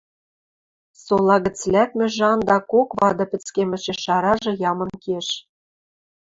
Сола гӹц лӓкмӹжӹ андакок вады пӹцкемӹшеш аражы ямын кеш.